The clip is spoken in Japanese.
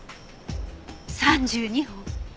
３２本。